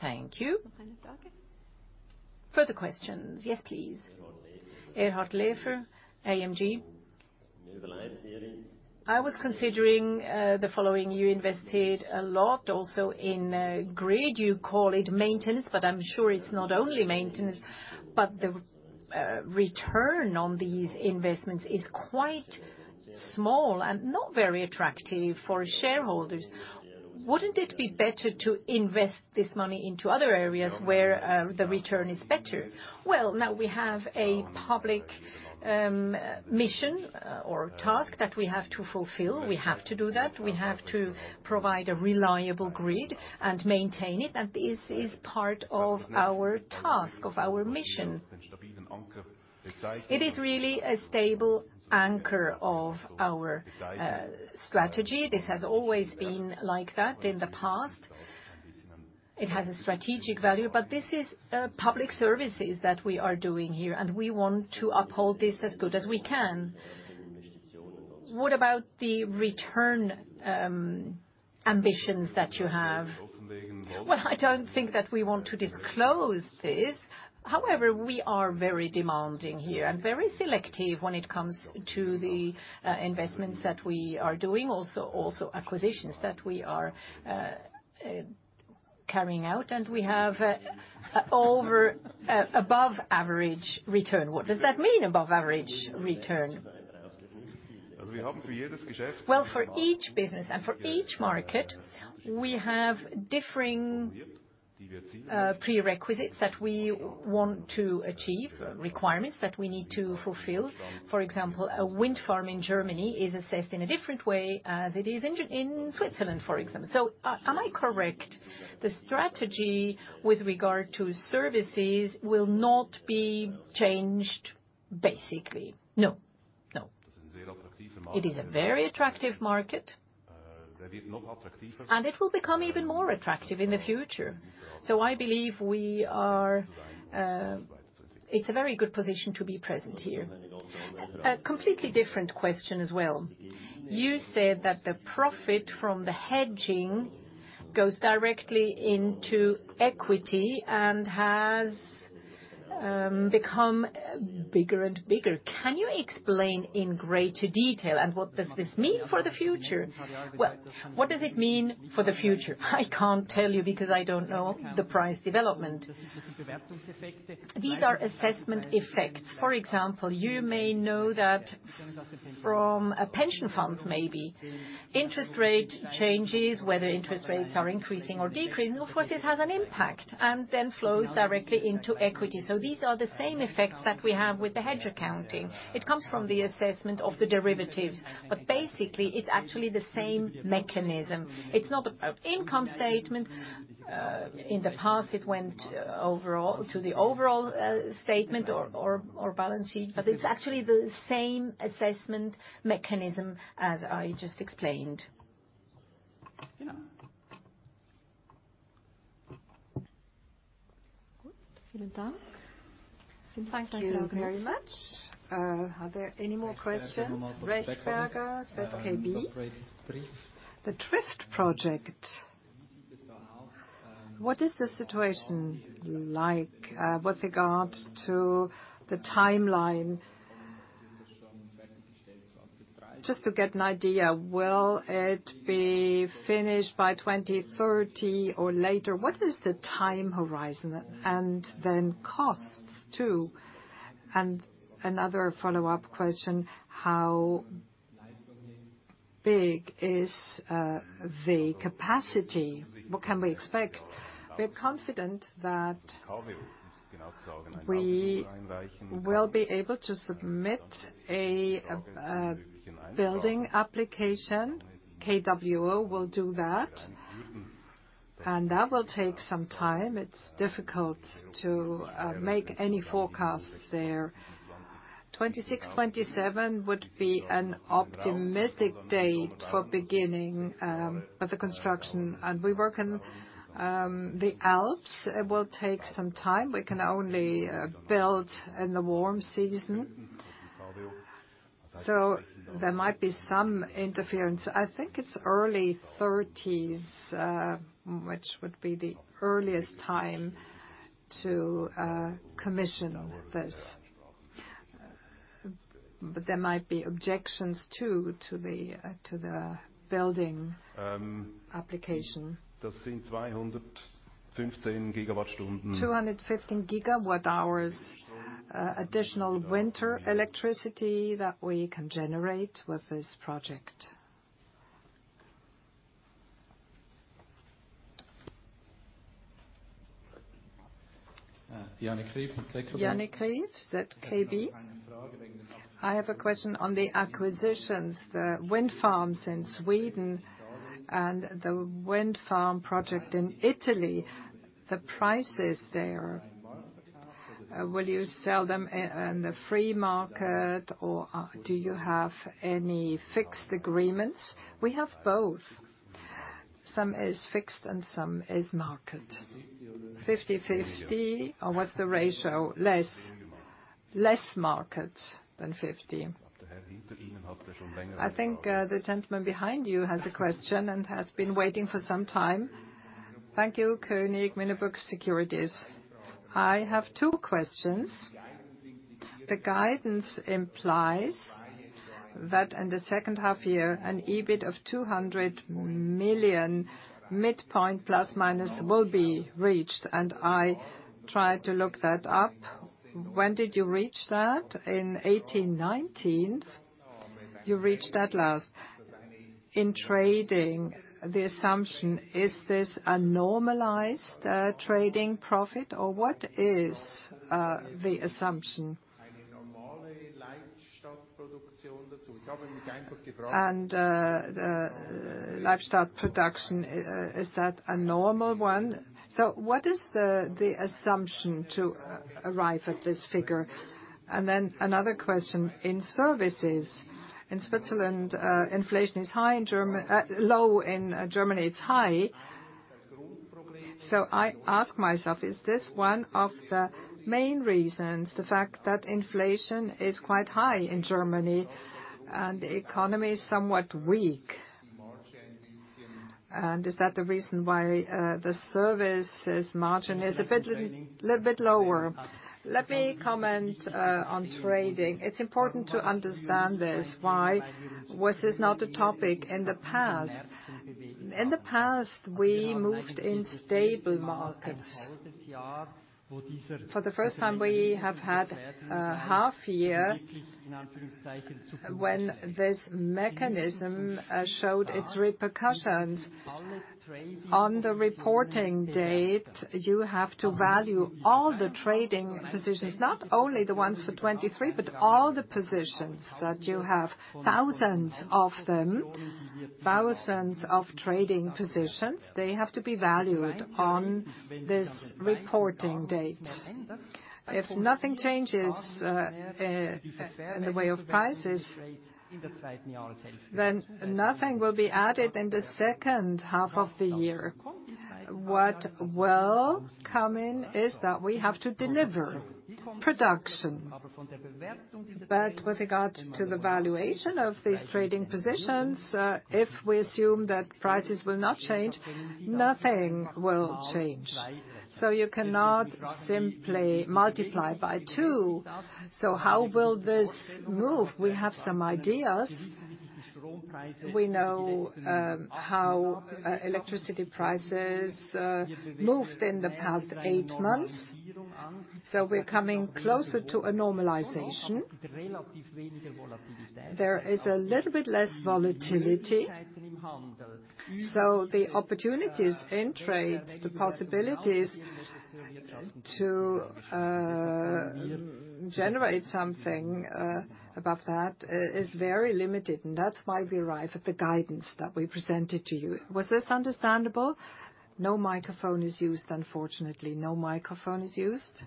Thank you. Further questions? Yes, please. Erhard Lee, AMG. I was considering the following: You invested a lot also in grid. You call it maintenance, but I'm sure it's not only maintenance, but the return on these investments is quite small and not very attractive for shareholders. Wouldn't it be better to invest this money into other areas where the return is better? Well, now we have a public mission or task that we have to fulfill. We have to do that. We have to provide a reliable grid and maintain it, and this is part of our task, of our mission. It is really a stable anchor of our strategy. This has always been like that in the past. It has a strategic value, but this is public services that we are doing here, and we want to uphold this as good as we can. What about the return ambitions that you have? Well, I don't think that we want to disclose this. However, we are very demanding here and very selective when it comes to the investments that we are doing, also acquisitions that we are carrying out, and we have above average return. What does that mean, above average return? Well, for each business and for each market, we have differing prerequisites that we want to achieve, requirements that we need to fulfill. For example, a wind farm in Germany is assessed in a different way as it is in Switzerland, for example. So, am I correct, the strategy with regard to services will not be changed, basically? No. No. It is a very attractive market, and it will become even more attractive in the future. So I believe we are, it's a very good position to be present here. A completely different question as well. You said that the profit from the hedging goes directly into equity and has become bigger and bigger. Can you explain in greater detail, and what does this mean for the future? Well, what does it mean for the future? I can't tell you, because I don't know the price development. These are assessment effects. For example, you may know that from, pension funds maybe. Interest rate changes, whether interest rates are increasing or decreasing, of course, this has an impact, and then flows directly into equity. So these are the same effects that we have with the hedge accounting. It comes from the assessment of the derivatives, but basically, it's actually the same mechanism. It's not the, income statement. In the past, it went overall, to the overall, statement or balance sheet, but it's actually the same assessment mechanism as I just explained. Thank you very much. Are there any more questions? Rechberger, ZKB. The Trift project, what is the situation like, with regard to the timeline? Just to get an idea, will it be finished by 2030 or later? What is the time horizon, and then costs, too. And another follow-up question, how big is, the capacity? What can we expect? We're confident that we will be able to submit a building application. KWO will do that, and that will take some time. It's difficult to make any forecasts there. 2026, 2027 would be an optimistic date for beginning with the construction. And we work in the Alps. It will take some time. We can only build in the warm season. So there might be some interference. I think it's early 2030s, which would be the earliest time to commission this. But there might be objections, too, to the building application. 215 GWh additional winter electricity that we can generate with this project. Yannick Krief, ZKB. I have a question on the acquisitions, the wind farms in Sweden and the wind farm project in Italy. The prices there, will you sell them in, on the free market, or, do you have any fixed agreements? We have both. Some is fixed and some is market. 50/50, or what's the ratio? Less. Less market than 50. I think, the gentleman behind you has a question and has been waiting for some time. Thank you. König, [Mirabaud] Securities. I have two questions. The guidance implies that in the second half year, an EBIT of 200 million, midpoint plus minus, will be reached, and I tried to look that up. When did you reach that? In 2018-2019, you reached that last. In trading, the assumption, is this a normalized trading profit, or what is the assumption? And the lifestyle production, is that a normal one? So what is the assumption to arrive at this figure? And then another question. In services, in Switzerland, inflation is high, in Germany, low, in Germany, it's high. So I ask myself, is this one of the main reasons, the fact that inflation is quite high in Germany and the economy is somewhat weak? And is that the reason why the services margin is a bit, little bit lower? Let me comment on trading. It's important to understand this, why was this not a topic in the past? In the past, we moved in stable markets. For the first time, we have had a half year when this mechanism showed its repercussions. On the reporting date, you have to value all the trading positions, not only the ones for 2023, but all the positions that you have, thousands of them, thousands of trading positions, they have to be valued on this reporting date. If nothing changes in the way of prices, then nothing will be added in the second half of the year. What will come in is that we have to deliver production. But with regard to the valuation of these trading positions, if we assume that prices will not change, nothing will change. So you cannot simply multiply by two. So how will this move? We have some ideas. We know how electricity prices moved in the past eight months, so we're coming closer to a normalization. There is a little bit less volatility, so the opportunities in trade, the possibilities to generate something above that is very limited, and that's why we arrived at the guidance that we presented to you. Was this understandable? No microphone is used, unfortunately. No microphone is used.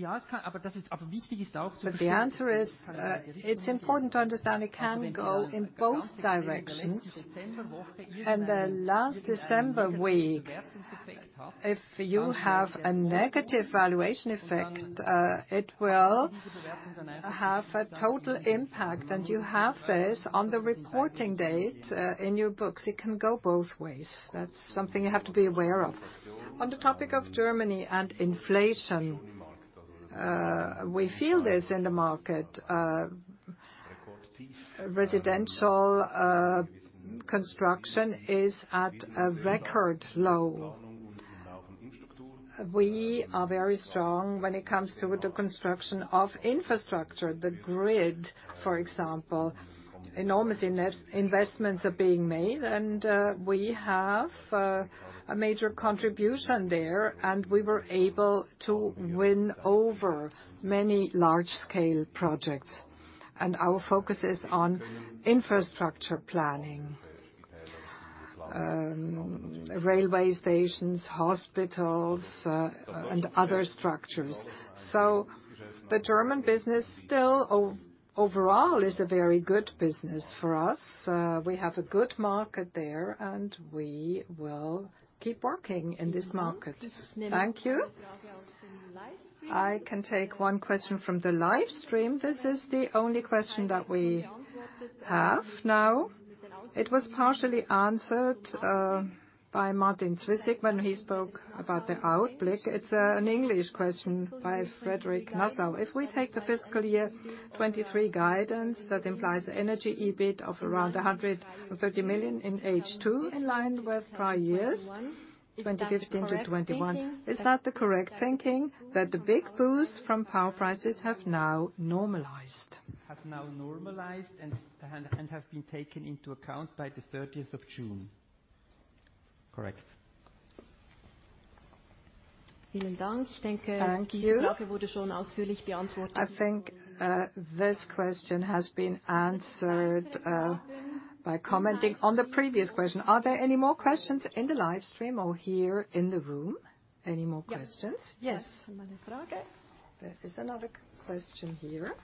But the answer is, it's important to understand it can go in both directions. In the last December week, if you have a negative valuation effect, it will have a total impact, and you have this on the reporting date in your books. It can go both ways. That's something you have to be aware of. On the topic of Germany and inflation, we feel this in the market. Residential construction is at a record low. We are very strong when it comes to the construction of infrastructure. The grid, for example, enormous investments are being made, and we have a major contribution there, and we were able to win over many large-scale projects. And our focus is on infrastructure planning, railway stations, hospitals, and other structures. So the German business still overall is a very good business for us. We have a good market there, and we will keep working in this market. Thank you. I can take one question from the live stream. This is the only question that we have now. It was partially answered by Martin Zwyssig when he spoke about the outlook. It's an English question by Frederick Nassau. If we take the fiscal year 2023 guidance, that implies an energy EBIT of around 130 million in H2, in line with prior years, 2015 to 2021. Is that the correct thinking, that the big boost from power prices have now normalized? Have now normalized and have been taken into account by the 13th of June. Correct. Thank you. I think this question has been answered by commenting on the previous question. Are there any more questions in the live stream or here in the room? Any more questions? Yes. There is another question here.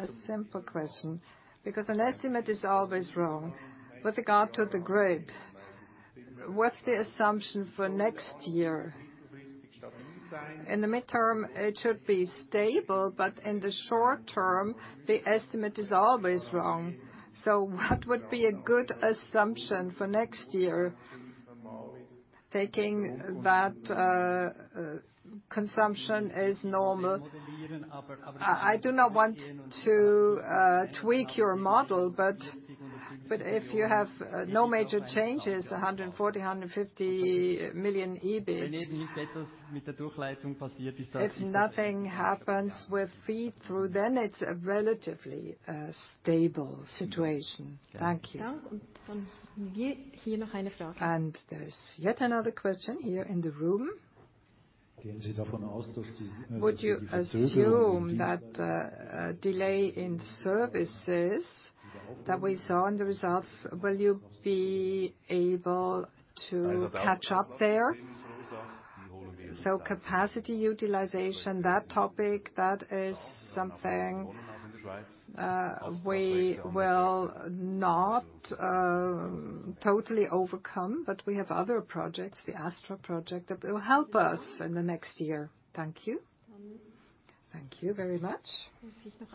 A simple question, because an estimate is always wrong. With regard to the grid, what's the assumption for next year? In the midterm, it should be stable, but in the short term, the estimate is always wrong. So what would be a good assumption for next year, taking that, consumption is normal? I do not want to, tweak your model, but, but if you have, no major changes, 140 million-150 million EBIT. If nothing happens with feedthrough, then it's a relatively stable situation. Thank you. And there's yet another question here in the room. Would you assume that, a delay in services that we saw in the results, will you be able to catch up there? So capacity utilization, that topic, that is something, we will not, totally overcome, but we have other projects, the ASTRA project, that will help us in the next year. Thank you. Thank you very much.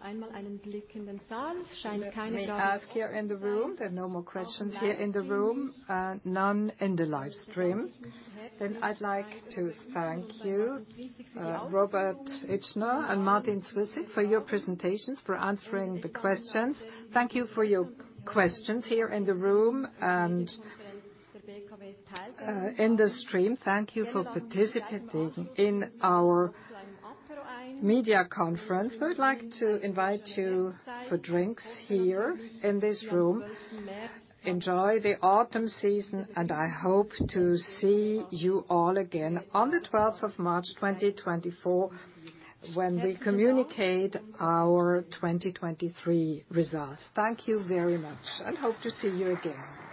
Let me ask here in the room. There are no more questions here in the room, and none in the live stream. Then I'd like to thank you, Robert Itschner and Martin Zwyssig, for your presentations, for answering the questions. Thank you for your questions here in the room and, in the stream. Thank you for participating in our media conference. We would like to invite you for drinks here in this room. Enjoy the autumn season, and I hope to see you all again on the 12th of March, 2024, when we communicate our 2023 results. Thank you very much, and hope to see you again.